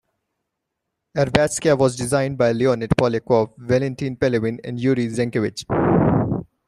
Arbatskaya was designed by Leonid Polyakov, Valentin Pelevin and Yury Zenkevich.